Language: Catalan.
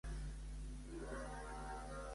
Què va fer llavors Cal·lírroe?